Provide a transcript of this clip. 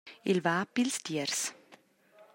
El va pils tiers.